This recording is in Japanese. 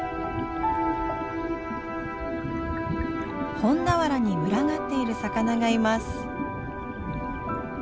ホンダワラに群がっている魚がいます。